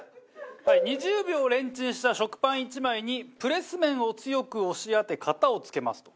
２０秒レンチンした食パン１枚にプレス面を強く押し当て型をつけますと。